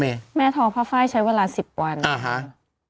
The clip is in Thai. แม่ทอผ้าไฟใช้เวลา๑๐วัน